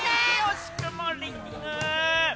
惜しくもリング！